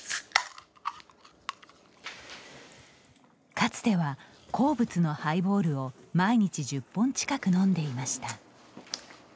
かつては、好物のハイボールを毎日１０本近く飲んでいました。